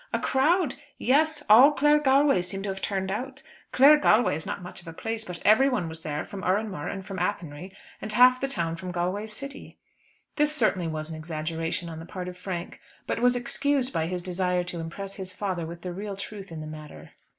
"A crowd! Yes, all Claregalway seemed to have turned out. Claregalway is not much of a place, but everyone was there from Oranmore and from Athenry, and half the town from Galway city." This certainly was an exaggeration on the part of Frank, but was excused by his desire to impress his father with the real truth in the matter.